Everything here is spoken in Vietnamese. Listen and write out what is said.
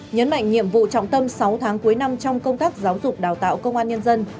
nhấn mạnh nhiệm vụ trọng tâm sáu tháng cuối năm trong công tác giáo dục đào tạo công an nhân dân